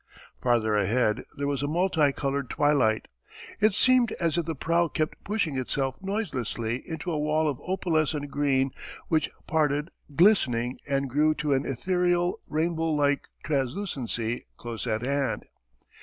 Farther ahead there was a multi coloured twilight. It seemed as if the prow kept pushing itself noiselessly into a wall of opalescent green which parted, glistening, and grew to an ethereal, rainbow like translucency close at hand.